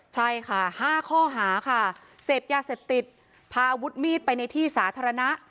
ใช่ค่ะ๕ข้อหาศษภยาวศพาวดมีตไปในที่ศาสตรรณะ